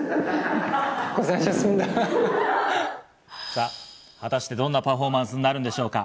さぁ、果たしてどんなパフォーマンスになるんでしょうか？